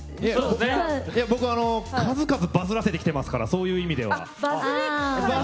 僕、数々バズらせてきてますから。そういう意味では。